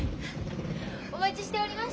お待ちしておりました。